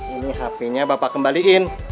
ini hpnya bapak kembalikan